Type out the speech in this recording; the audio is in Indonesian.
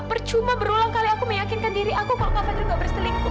percuma berulang kali aku meyakinkan diri aku kalau kak fadil tidak berselingkuh